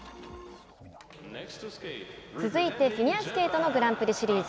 続いてフィギュアスケートのグランプリシリーズ。